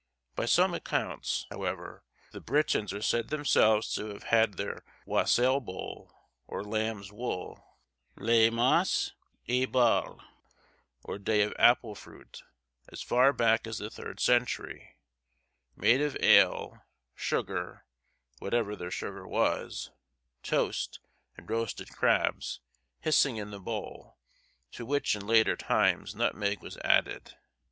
By some accounts, however, the Britons are said themselves to have had their wassail bowl, or lamb's wool—La Mas Ubhal, or day of apple fruit—as far back as the third century, made of ale, sugar (whatever their sugar was), toast and roasted crabbs, hissing in the bowl; to which, in later times, nutmeg was added.